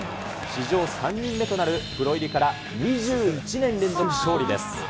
史上３人目となる、プロ入りから２１年連続勝利です。